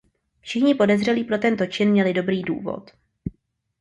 Všichni podezřelí pro tento čin měli dobrý důvod.